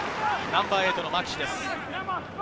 ナンバー８のマキシです。